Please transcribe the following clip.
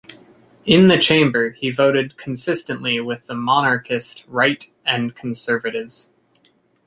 In the Chamber, he voted consistently with the monarchist Right and conservatives.